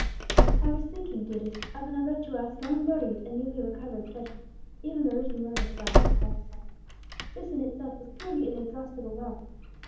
"I was thinking, dearest, of another to us long buried and newly recovered treasure, even the written Word of God," replied Alcala. "This in itself is truly inexhaustible wealth.